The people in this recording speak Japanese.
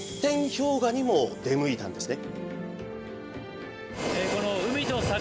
氷河にも出向いたんですね。